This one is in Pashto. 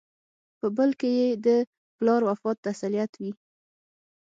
په بل کې یې د پلار وفات تسلیت وي.